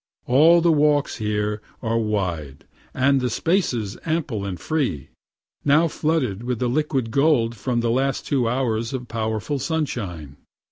All the walks here are wide, and the spaces ample and free now flooded with liquid gold from the last two hours of powerful sunshine.